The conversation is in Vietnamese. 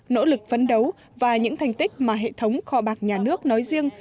nỗ lực phấn đấu và những thành tích mà hệ thống kho bạc nhà nước nói riêng